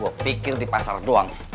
gue pikir di pasar doang